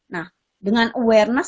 nah dengan awareness